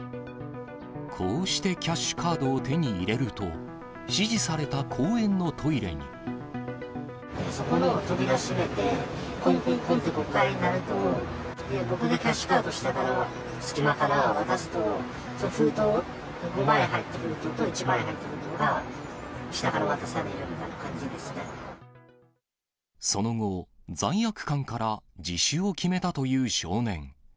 こうしてキャッシュカードを手に入れると、そこの扉閉めて、こんこんこんって、５回鳴ると、僕がキャッシュカードを下から、隙間から渡すと、封筒、５万円入ってる封筒と、１万円入った封筒が下から渡されるみたいその後、罪悪感から、自首を決めたという少年。